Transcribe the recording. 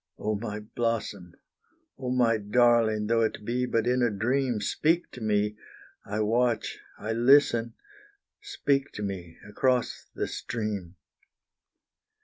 Oh, my blossom! Oh, my darling! though it be but in a dream, Speak to me, I watch I listen, speak to me across the stream.